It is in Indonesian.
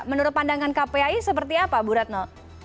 menurut pandangan kpai seperti apa bu retno